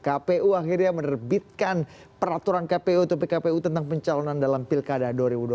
kpu akhirnya menerbitkan peraturan kpu atau pkpu tentang pencalonan dalam pilkada dua ribu dua puluh